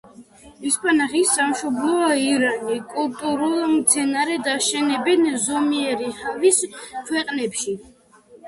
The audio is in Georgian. ისპანახის სამშობლოა ირანი, კულტურულ მცენარედ აშენებენ ზომიერი ჰავის ქვეყნებში.